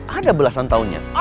ada belasan tahunnya